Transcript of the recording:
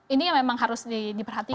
ini memang harus diperhatikan